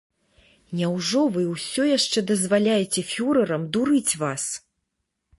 Няўжо вы ўсё яшчэ дазваляеце фюрэрам дурыць вас?